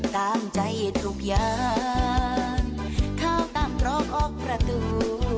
ตามใจทุกอย่างเข้าตามตรอกออกประตู